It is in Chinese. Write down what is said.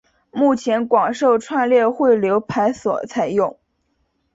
目前广受串列汇流排所采用。